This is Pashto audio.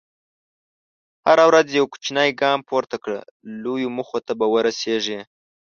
هره ورځ یو کوچنی ګام پورته کړه، لویو موخو ته به ورسېږې.